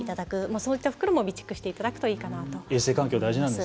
そういった袋も備蓄しておくといいかなと思います。